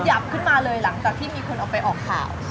ขึ้นมาเลยหลังจากที่มีคนเอาไปออกข่าว